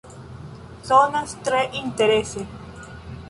Sonas tre interese!